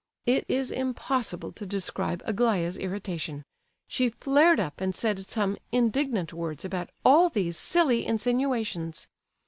It is impossible to describe Aglaya's irritation. She flared up, and said some indignant words about "all these silly insinuations."